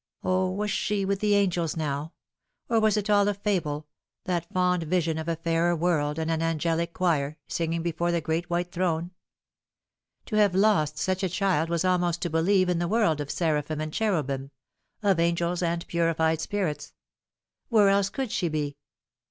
O, was she with the angels now ; or was it all a fable, that 74 The Fatal Three. fond vision of a fairer world and an angelic choir, singing before the great white throne ? To have lost such a child was almost to believe in the world of seraphim and cherubim, of angels and purified spirits. Where else could she be